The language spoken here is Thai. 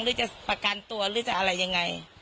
หรือจะประกันตัวหรือจะอะไรยังไง